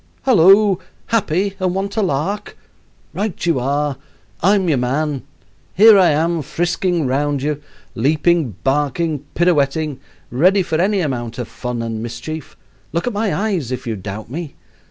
"Halloo! happy and want a lark? Right you are; I'm your man. Here I am, frisking round you, leaping, barking, pirouetting, ready for any amount of fun and mischief. Look at my eyes if you doubt me.